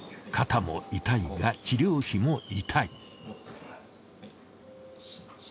肩も痛いが治療費も痛い。